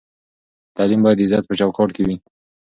تعلیم باید د عزت په چوکاټ کې وي.